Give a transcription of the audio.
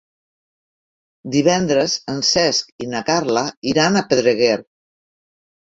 Divendres en Cesc i na Carla iran a Pedreguer.